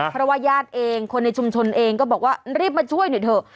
เพราะว่าญาติเองคนในชุมชนเองก็บอกว่ารีบมาช่วยหน่อยเถอะ